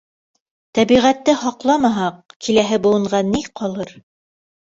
Тәбиғәтте һаҡламаһаҡ, киләһе быуынға ни ҡалыр?